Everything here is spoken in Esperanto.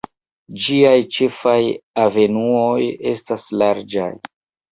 Ĝiaj ĉefaj avenuoj estas larĝaj.